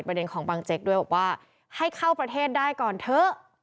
ประเด็นของบางเจ๊กด้วยบอกว่าให้เข้าประเทศได้ก่อนเถอะ